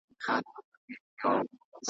نه یې توره نه یې سپر وي جنګیالی پکښی پیدا کړي .